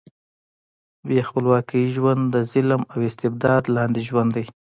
بې خپلواکۍ ژوند د ظلم او استبداد لاندې ژوند دی.